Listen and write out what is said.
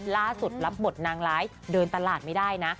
ล่าสุดรับบทนางร้ายเดินตลาดไม่ได้นะ